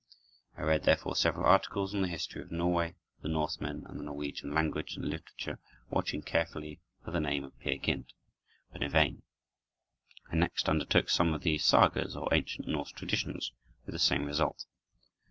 I read, therefore, several articles on the history of Norway, the Norsemen, and the Norwegian language and literature, watching carefully for the name of Peer Gynt, but in vain. I next undertook some of the sagas or ancient Norse traditions, with the same result.